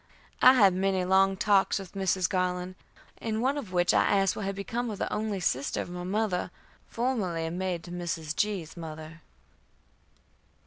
I had many long talks with Mrs. Garland, in one of which I asked what had become of the only sister of my mother, formerly maid to Mrs. G's mother.